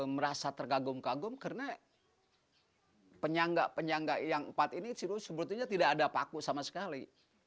merasa tergagum kagum karena penyangga penyangga yang empat ini sebetulnya tidak ada paku sama sekali